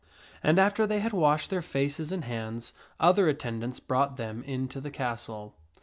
And after they had enter ' tke castle washed their 'aces and hands, other attendants brought them into the castle.